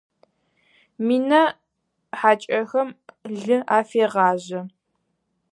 Мина хьакӏэхэм лы афегъажъэ.